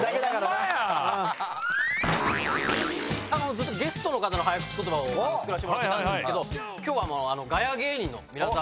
ずっとゲストの方の早口言葉を作らせてもらってたんですけど今日は。